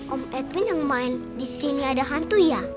om edwin yang main disini ada hantu ya